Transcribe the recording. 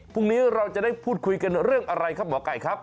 พรุ่งนี้เราจะได้พูดคุยกันเรื่องอะไรครับหมอไก่ครับ